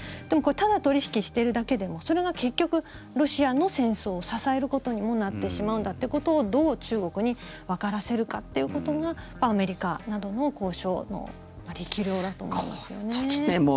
でもこれただ取引してるだけでもそれが結局ロシアの戦争を支えることにもなってしまうんだっていうことをどう中国にわからせるかっていうことがアメリカなどの交渉の力量だと思いますよね。